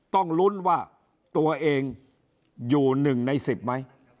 ต้องลุ้นว่าตัวเองอยู่๑ใน๑๐ไหม